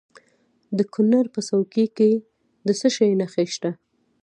د کونړ په څوکۍ کې د څه شي نښې دي؟